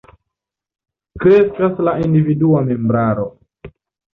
Kreskas la individua membraro.